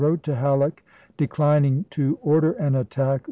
wrote to Halleck, declining to order an attack sept.